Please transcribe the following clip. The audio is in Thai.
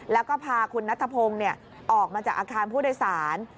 แล้วก็พาคุณนัทพงศ์ออกมาจากอาคารผู้โดยสาร